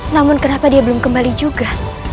namun kenapa dia belum kembali juga